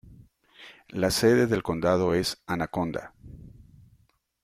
La sede del condado es Anaconda.